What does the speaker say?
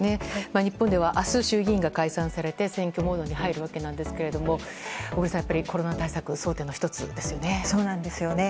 日本では、明日衆議院が解散されて選挙モードに入るわけなんですが小栗さん、やっぱりコロナ対策争点の１つですよね。